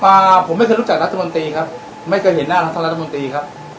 มาผมไม่เคยรู้จักรัฐมนตรีครับไม่เคยเห็นหน้าท่านรัฐมนตรีครับ